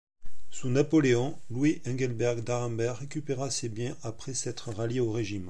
Sous Napoléon, Louis-Engelbert d'Arenberg récupéra ses biens après s'être rallié au régime.